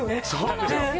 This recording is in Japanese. そうなんですよ。